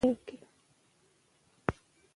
په افغانستان کې د کابل سیند ډېرې طبعي منابع شته.